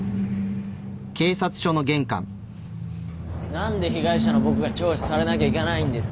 何で被害者の僕が聴取されなきゃいけないんですか？